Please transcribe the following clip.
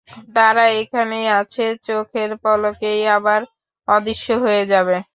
তারা এখানেই আছে, চোখের পলকেই আবার অদৃশ্য হয়ে যাবে।